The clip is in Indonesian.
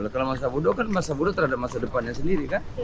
kalau masa buruh kan masa buruh terhadap masa depannya sendiri kan